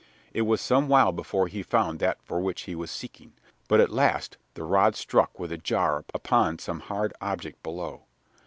It was some while before he found that for which he was seeking, but at last the rod struck with a jar upon some hard object below.